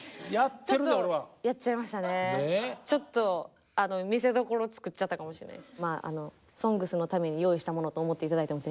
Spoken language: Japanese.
ちょっとあの見せどころ作っちゃったかもしれないです。